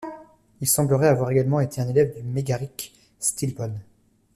Il semblerait avoir également été un élève du mégarique Stilpon.